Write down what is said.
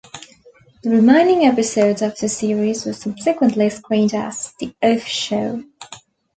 The remaining episodes of the series were subsequently screened as "The Of Show".